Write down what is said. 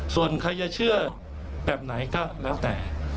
ส่วนเขาจะเชื่อแบบไหนก็ตั้งแต่